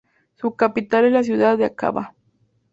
Su capital es la ciudad de Áqaba.